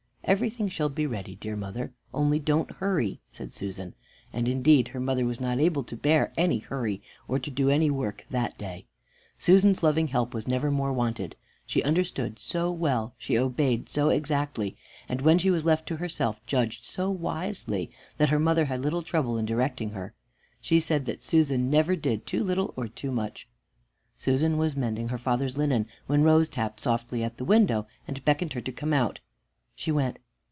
"Everything shall be ready, dear mother; only don't hurry," said Susan. And indeed her mother was not able to bear any hurry, or to do any work that day. Susan's loving help was never more wanted. She understood so well, she obeyed so exactly, and when she was left to herself, judged so wisely, that her mother had little trouble in directing her. She said that Susan never did too little or too much. Susan was mending her father's linen, when Rose tapped softly at the window, and beckoned to her to come out. She went.